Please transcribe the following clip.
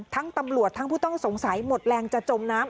ตำรวจทั้งผู้ต้องสงสัยหมดแรงจะจมน้ำ